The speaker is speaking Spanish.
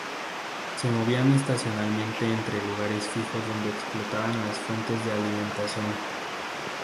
Se movían estacionalmente entre lugares fijos donde explotaban las fuentes de alimentación.